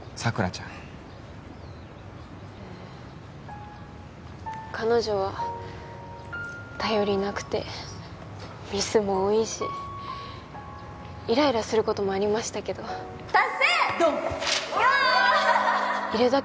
うん彼女は頼りなくてミスも多いしイライラすることもありましたけど達成わーっドン！